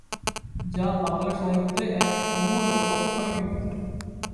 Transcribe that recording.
যা বাংলা সাহিত্যে এক অমর ও অক্ষয় কীর্তি।